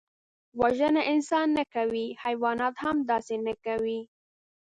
وژنه انسان نه کوي، حیوانات هم داسې نه کوي